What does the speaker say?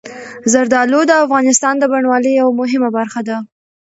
زردالو د افغانستان د بڼوالۍ یوه مهمه برخه ده.